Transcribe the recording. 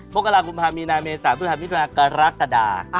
โภคลากุมภาพมีนาเมษาพูดถามวิทยาลัยกรกฎา